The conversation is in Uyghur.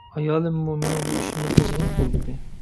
ئايالىممۇ مېنىڭ بۇ ئىشىمنى قىزغىن قوللىدى.